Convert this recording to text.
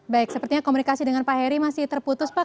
baik sepertinya komunikasi dengan pak heri masih terputus pak